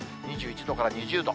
２１度から２０度。